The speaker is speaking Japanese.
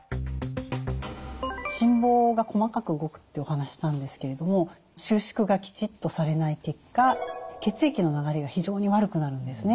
心房が細かく動くっていうお話なんですけれども収縮がきちっとされない結果血液の流れが非常に悪くなるんですね。